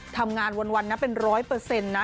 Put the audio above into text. ทำงานวันนะเป็น๑๐๐นะ